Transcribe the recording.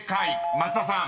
松田さん］